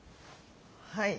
はい。